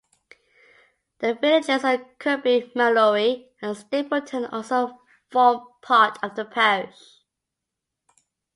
The villages of Kirkby Mallory and Stapleton also form part of the parish.